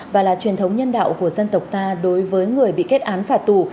và là truyền thống nhân đạo của dân tộc ta đối với người bị kết án phạt tù